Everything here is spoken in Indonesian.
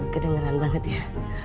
kedengeran banget ya